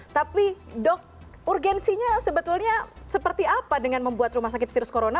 tapi dok urgensinya sebetulnya seperti apa dengan membuat rumah sakit virus corona